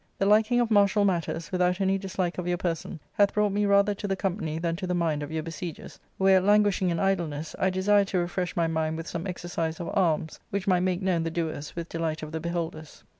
The liking of martial matters, without any dislike of your person, hath brought me rather to the company than to the mind of your besiegers ; where languishing in idleness, I desire to refresh my mind with some exercise of arms, which might make known the doers with delight of the beholders.